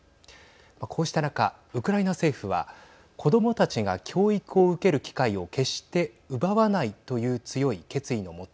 こうした中、ウクライナ政府は子どもたちが教育を受ける機会を決して奪わないという強い決意の下